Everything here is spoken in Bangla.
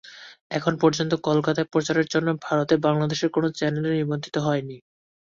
এখন পর্যন্ত কলকাতায় প্রচারের জন্য ভারতে বাংলাদেশের কোনো চ্যানেল নিবন্ধিত হয়নি।